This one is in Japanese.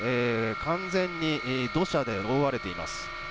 完全に土砂で覆われています。